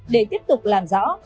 để tiếp tục làm rõ